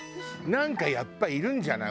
なんかやっぱいるんじゃない？